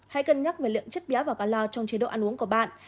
hãy cân nhắc về lượng chất béo và calor trong chế độ ăn uống của bạn